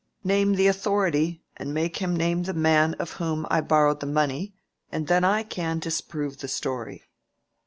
"Name the authority, and make him name the man of whom I borrowed the money, and then I can disprove the story."